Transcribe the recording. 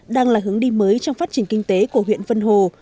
đang là hướng đi mới trong phát triển kinh tế của huyện vân hồ